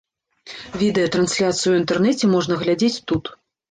Відэатрансляцыю ў інтэрнэце можна глядзець тут.